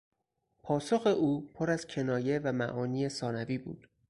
پاسخ او پر از کنایه و معانی ثانوی بود.